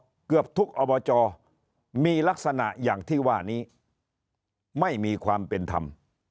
เกือบทุกอบจมีลักษณะอย่างที่ว่านี้ไม่มีความเป็นธรรม